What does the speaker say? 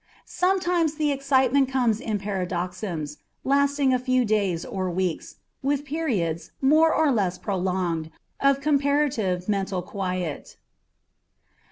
Sometimes the excitement comes on in paroxysms, lasting a few days or weeks, with periods, more or less prolonged, of comparative mental quiet.